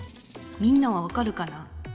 みんなは分かるかな？